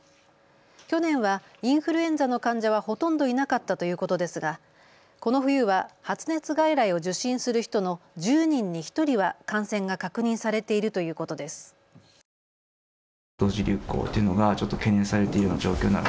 去年はインフルエンザの患者はほとんどいなかったということですが、この冬は発熱外来を受診する人の１０人に１人は感染が確認されているということです。